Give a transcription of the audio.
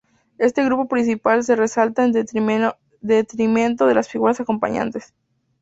Este grupo principal se resalta en detrimento de las figuras acompañantes.